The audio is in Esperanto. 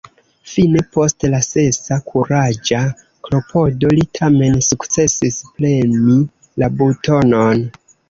Fine, post la sesa kuraĝa klopodo, li tamen sukcesis premi la butonon.